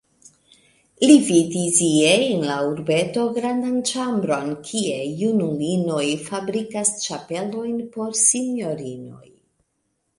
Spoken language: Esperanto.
Li vidis ie en la urbeto grandan ĉambron, kie junulinoj fabrikas ĉapelojn por sinjorinoj.